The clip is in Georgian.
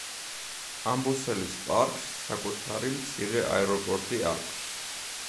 ამბოსელის პარკს საკუთარი მცირე აეროპორტი აქვს.